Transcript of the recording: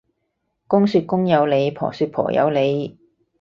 公說公有理，婆說婆有理